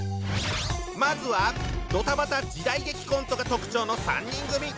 まずはドタバタ時代劇コントが特徴の３人組。